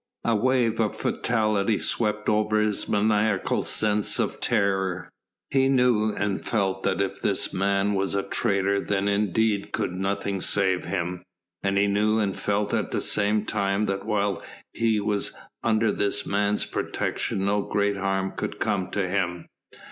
A wave of fatality swept over his maniacal sense of terror. He knew and felt that if this man was a traitor then indeed could nothing save him; and he knew and felt at the same time that while he was under this man's protection no great harm could come to him.